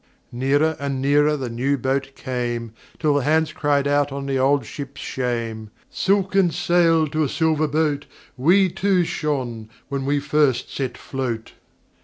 Nearer and nearer the new boat came, Till the hands cried out on the old ship's shame "Silken sail to a silver boat, We too shone when we first set float!"